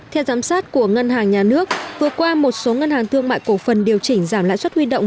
theo giám sát của ngân hàng nhà nước vừa qua một số ngân hàng thương mại cổ phần điều chỉnh giảm lãi suất huy động